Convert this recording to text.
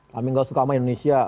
kami gak suka sama indonesia